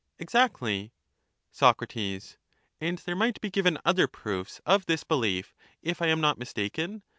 Exactly. Soc. And there might be given other proofs of this belief, if I am not mistaken.